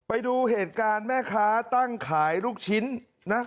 ไปดูเหตุการณ์แม่ค้าตั้งขายลูกชิ้นนะ